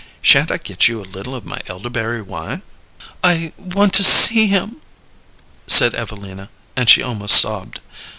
"Sha'n't I get you a little of my elderberry wine?" "I want to see him," said Evelina, and she almost sobbed.